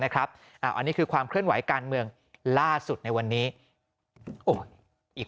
อันนี้คือความเคลื่อนไหวการเมืองล่าสุดในวันนี้อีก